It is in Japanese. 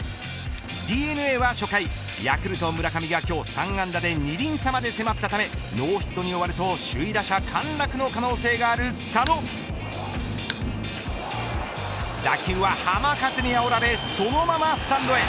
ＤｅＮＡは初回ヤクルト村上が３安打で２厘差まで迫ったためノーヒットに終わると首位打者陥落の可能性がある佐野打球は浜風にあおられそのままスタンドへ。